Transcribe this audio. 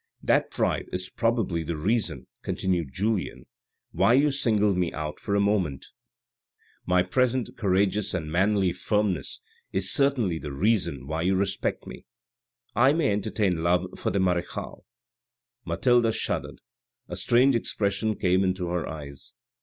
" That pride is probably the reason," continued Julien, " why you singled me out for a moment. My present courageous and manly firmness is certainly the reason why you respect me. I may entertain love for the marechale." Mathilde shuddered ; a strange expression came into her eyes.